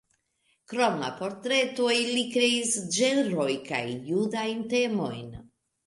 Krom la portretoj li kreis ĝenrojn kaj judajn temojn.